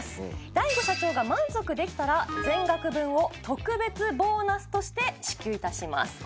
大悟社長が満足できたら全額分を特別ボーナスとして支給いたします。